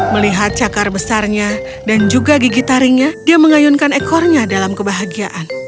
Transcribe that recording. melihat cakar besarnya dan juga gigi taringnya dia mengayunkan ekornya dalam kebahagiaan